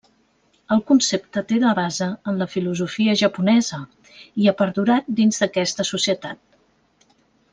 El concepte té la base en la filosofia japonesa i ha perdurat dins d'aquesta societat.